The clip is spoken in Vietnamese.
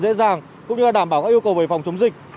dễ dàng cũng như đảm bảo các yêu cầu về phòng chống dịch